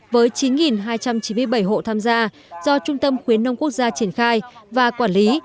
với chín hai trăm chín mươi bảy hộ tham gia do trung tâm khuyến nông quốc gia triển khai và quản lý